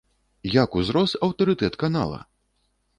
Як узрос аўтарытэт канала!